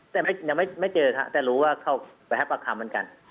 แต่ยังไม่เจอครับแต่รู้ว่าเขาไปให้ปากคำเหมือนกัน